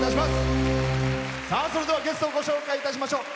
それではゲストをご紹介しましょう。